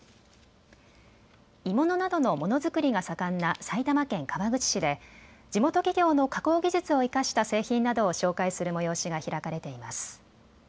鋳物などのモノづくりが盛んな埼玉県川口市で地元企業の加工技術を生かした製品などを紹介する催しが開かれています。